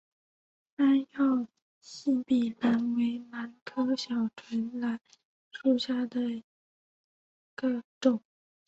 三药细笔兰为兰科小唇兰属下的一个种。